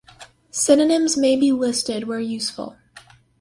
Synonyms may be listed where useful.